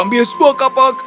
ambil sebuah kapak